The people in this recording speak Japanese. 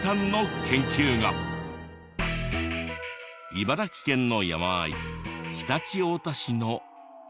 茨城県の山あい常陸太田市の。